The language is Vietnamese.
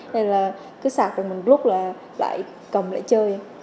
nên là cứ sạc của mình lúc là lại cầm lại chơi